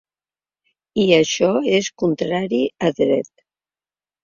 I això és contrari a dret.